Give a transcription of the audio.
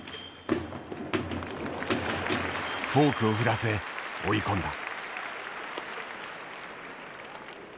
フォークを振らせ追い込んだ。